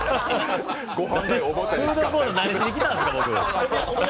フードコートに何しに来たんですか。